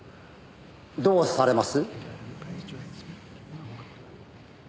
「どうされます？」